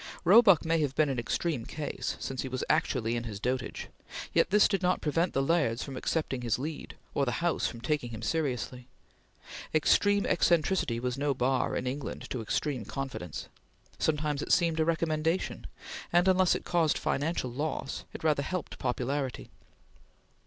Roebuck may have been an extreme case, since he was actually in his dotage, yet this did not prevent the Lairds from accepting his lead, or the House from taking him seriously. Extreme eccentricity was no bar, in England, to extreme confidence; sometimes it seemed a recommendation; and unless it caused financial loss, it rather helped popularity.